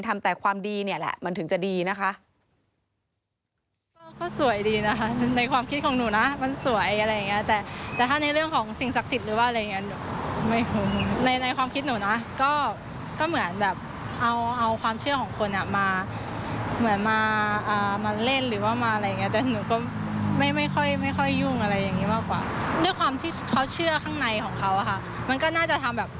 ทำแต่ความดีเนี่ยแหละมันถึงจะดีนะคะ